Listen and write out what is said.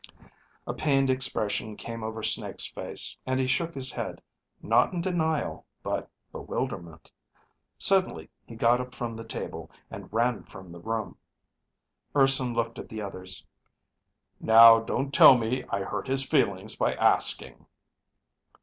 A pained expression came over Snake's face, and he shook his head not in denial but bewilderment. Suddenly he got up from the table, and ran from the room. Urson looked at the others. "Now don't tell me I hurt his feelings by asking."